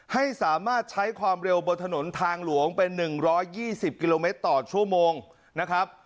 ให้สามารถใช้ความเร็วบนถนนทางหลวงเป็น๑๒๐กิโลเมตรต่อชั่วโมงนะครับ